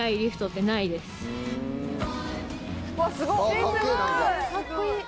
すごい！